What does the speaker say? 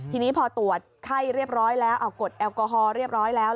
ทีนี้พอตรวจไข้เรียบร้อยแล้วเอากดแอลกอฮอล์เรียบร้อยแล้ว